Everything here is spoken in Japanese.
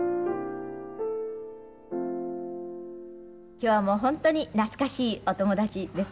今日はもう本当に懐かしいお友達です。